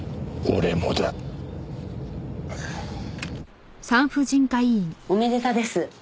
おめでたです。